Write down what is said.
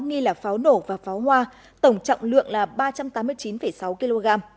nghi là pháo nổ và pháo hoa tổng trọng lượng là ba trăm tám mươi chín sáu kg